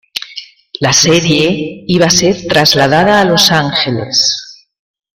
La serie iba a ser trasladada a Los Angeles.